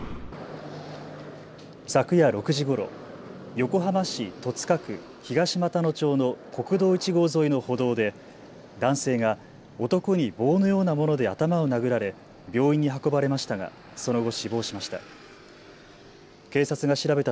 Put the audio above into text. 昨夜６時ごろ、横浜市戸塚区東俣野町の国道１号沿いの歩道で男性が男に棒のようなもので頭を殴られ病院に運ばれましたがその後死亡しました。